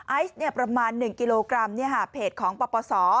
ไอซ์ประมาณ๑กิโลกรัมเพจของปปศ